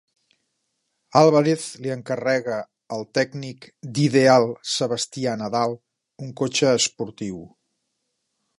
Álvarez li encarregà al tècnic d'Ideal Sebastià Nadal un cotxe esportiu.